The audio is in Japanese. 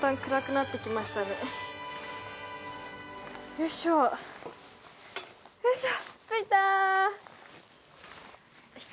よいしょよいしょ